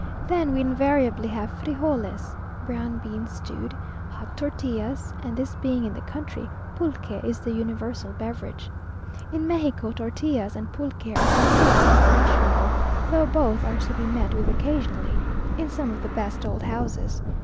Then we invariably have frijoles (brown beans stewed), hot tortillas and this being in the country, pulque is the universal beverage. In Mexico, tortillas and pulque are considered unfashionable, though both are to be met with occasionally, in some of the best old houses.